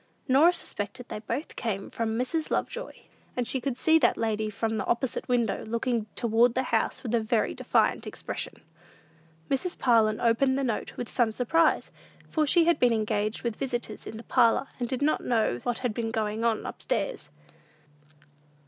Norah suspected they both came from Mrs. Lovejoy, and she could see that lady from the opposite window, looking toward the house with a very defiant expression. Mrs. Parlin opened the note with some surprise, for she had been engaged with visitors in the parlor, and did not know what had been going on up stairs.